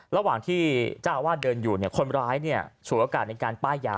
ระหว่างที่จ้าว่าเดินอยู่เนี่ยคนร้ายเนี่ยส่วนโอกาสในการป้ายยา